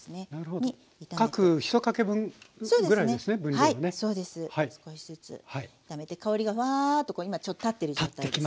はいそうです。少しずつ炒めて香りがワーッと今立ってる状態です。